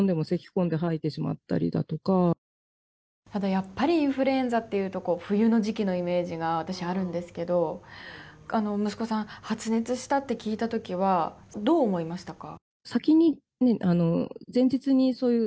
やっぱりインフルエンザというと冬の時期のイメージが私はあるんですけど息子さんが発熱したって聞いた時はどう思いましたか。